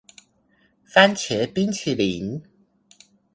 番茄冰淇淋